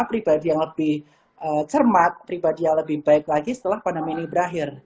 pribadi yang lebih cermat pribadi yang lebih baik lagi setelah pandemi ini berakhir